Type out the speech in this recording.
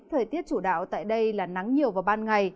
thời tiết chủ đạo tại đây là nắng nhiều vào ban ngày